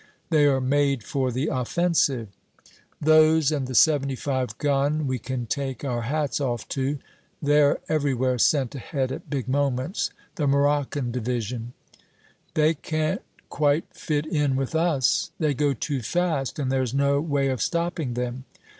They are made for the offensive. "Those and the 75 gun we can take our hats off to. They're everywhere sent ahead at big moments, the Moroccan Division." "They can't quite fit in with us. They go too fast and there's no way of stopping them."